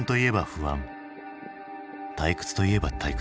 退屈といえば退屈。